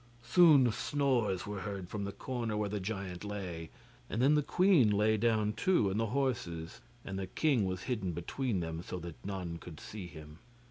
Soon snores were heard from the corner where the giant lay, and then the queen lay down too, and the horses, and the king was hidden between them, so that none could see him.